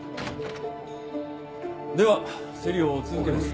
では競りを続けます。